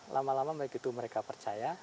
lama lama begitu mereka percaya